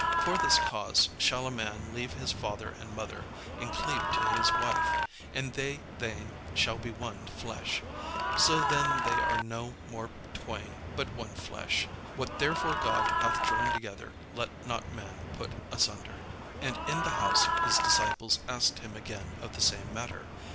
For this cause shall a man leave his father and mother, and cleave to his wife; and they twain shall be one flesh: so then they are no more twain, but one flesh. What therefore God hath joined together, let not man put asunder." And in the house his disciples asked him again of the same matter.